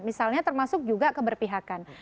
misalnya termasuk juga keberpihakan